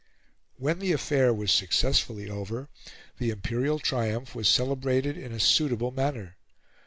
When the affair was successfully over, the imperial triumph was celebrated in a suitable manner.